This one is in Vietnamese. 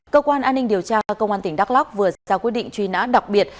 cơ quan an ninh điều tra công an tỉnh đắk lóc vừa ra quyết định truy nã đặc biệt